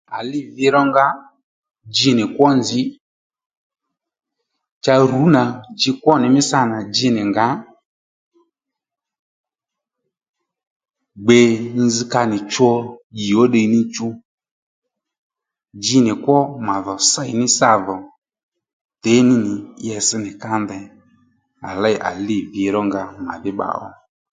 À lîy vi rónga dji nì kwo nzǐ cha rǔ nà dji kwó nì mí sǎnà dji nì ngǎ gbè nyi nzz ka nì cho dyì ó níchú dji nì kwo mà dhò sěy ní sâ dhò tǐ ní nì itsś nì ka ndey à lêy à lî vi rónga màdhí bba ó